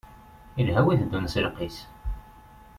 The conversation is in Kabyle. Ilha wi iteddun s lqis.